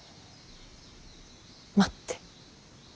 待って。